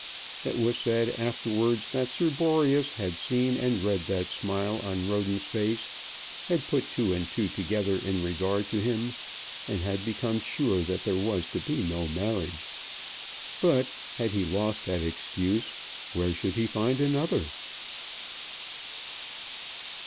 It was said afterwards that Sir Boreas had seen and read that smile on Roden's face, had put two and two together in regard to him, and had become sure that there was to be no marriage. But, had he lost that excuse, where should he find another?